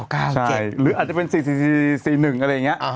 หรืออาจจะเป็น๔๔๔๑อะไรอย่างนี้